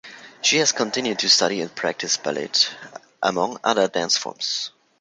She has continued to study and practice ballet, among other dance forms.